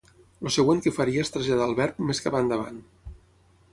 El següent que faria és traslladar el Verb més cap endavant.